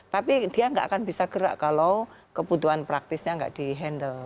tapi dia nggak akan bisa gerak kalau kebutuhan praktisnya nggak di handle